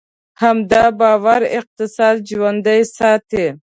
همدا باور اقتصاد ژوندی ساتي.